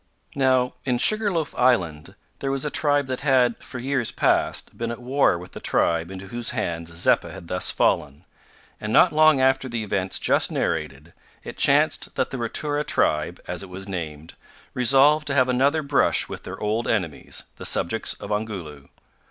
Now, in Sugar loaf Island, there was a tribe that had, for years past, been at war with the tribe into whose hands Zeppa had thus fallen, and, not long after the events just narrated, it chanced that the Ratura tribe, as it was named, resolved to have another brush with their old enemies, the subjects of Ongoloo.